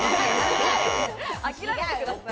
諦めてください。